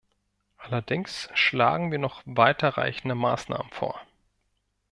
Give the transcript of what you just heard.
Allerdings schlagen wir noch weiterreichende Maßnahmen vor.